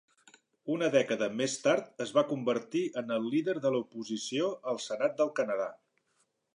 Una dècada més tard es va convertir en el líder de la oposició al senat del Canadà.